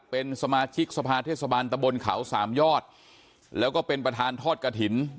เป็นสมาชิกสภาเทศบาลตะบนเขาสามยอดแล้วก็เป็นประธานทอดกระถิ่น